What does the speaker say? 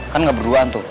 kan nggak berduaan tuh